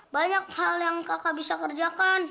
banyak hal yang kakak bisa kerjakan